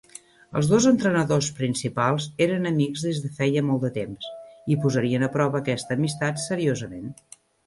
Els dos entrenadors principals eren amics des de feia molt de temps i posarien a prova aquesta amistat seriosament.